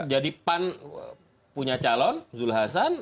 jadi pan punya calon zul hasan